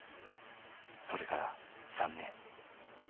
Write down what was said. それから３年。